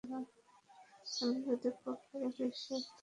আমি বিপদে পড়লে এক ঈশ্বর তো আমাকে বাঁচাবেই।